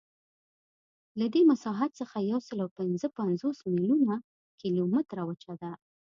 له دې مساحت څخه یوسلاوپینځهپنځوس میلیونه کیلومتره وچه ده.